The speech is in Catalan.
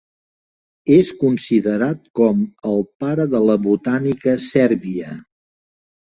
És considerat com "el pare de la botànica Sèrbia".